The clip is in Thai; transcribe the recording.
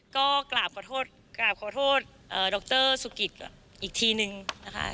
ก็กราบขอโทษดรสุกิตอีกทีนึงนะคะ